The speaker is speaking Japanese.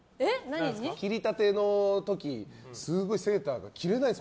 切りたての時セーターが着れないんです。